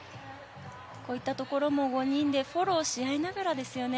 こういったところも５人でフォローし合いながらですよね